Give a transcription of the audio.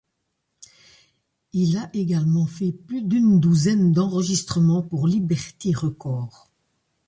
Il a également fait plus d'une douzaine d'enregistrements pour Liberty Records.